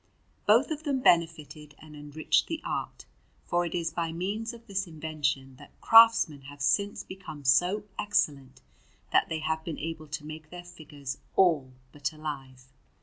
Both of them benefited and enriched the art; for it is by means of this invention that craftsmen have since become so excellent, that they have been able to make their figures all but alive.